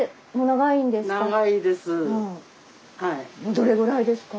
どれぐらいですか？